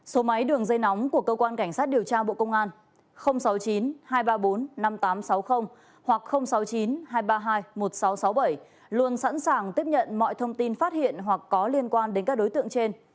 số máy đường dây nóng của cơ quan cảnh sát điều tra bộ công an sáu mươi chín hai trăm ba mươi bốn năm nghìn tám trăm sáu mươi hoặc sáu mươi chín hai trăm ba mươi hai một nghìn sáu trăm sáu mươi bảy luôn sẵn sàng tiếp nhận mọi thông tin phát hiện hoặc có liên quan đến các đối tượng trên